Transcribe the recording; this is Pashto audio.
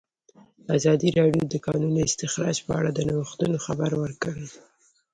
ازادي راډیو د د کانونو استخراج په اړه د نوښتونو خبر ورکړی.